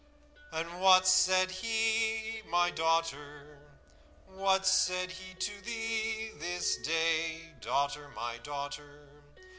"'And what said he, my daughter? What said he to thee this day, Daughter, my daughter?'